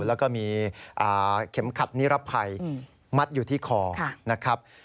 แล้วก็มีเข็มขัดนิรภัยมัดอยู่ที่คอนะครับ